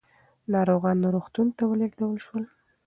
ناروغان روغتون ته ولېږدول شول.